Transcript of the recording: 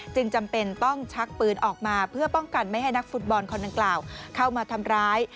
จำเป็นต้องชักปืนออกมาเพื่อป้องกันไม่ให้นักฟุตบอลคนดังกล่าวเข้ามาทำร้าย